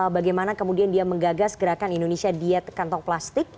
bagaimana kemudian dia menggagas gerakan indonesia diet kantong plastik